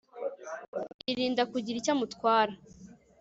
yirinda kugira icyo amutwara